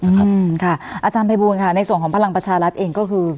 อืมค่ะอาจารย์พระบูรณ์ค่ะในส่วนของพลังประชารัฐเองก็คือ